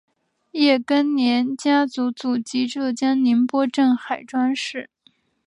叶庚年家族祖籍浙江宁波镇海庄市。